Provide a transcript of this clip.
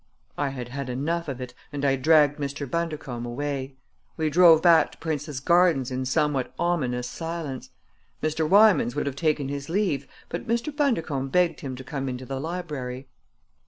I had had enough of it and I dragged Mr. Bundercombe away. We drove back to Prince's Gardens in somewhat ominous silence. Mr. Wymans would have taken his leave, but Mr. Bundercombe begged him to come into the library.